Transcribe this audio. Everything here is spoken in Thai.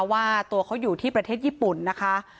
ว่าตัวเขาอยู่ที่ประเทศญี่ปุ่นนะคะ